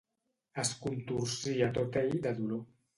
Es contorcia tot ell de dolor.